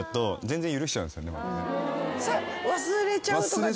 忘れちゃうとかじゃ。